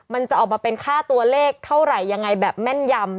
มันจะออกมาเป็นค่าตัวเลขเท่าไหร่ยังไงแบบแม่นยำ